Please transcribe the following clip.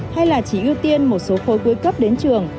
hay là chỉ ưu tiên một số khối cuối cấp đến trường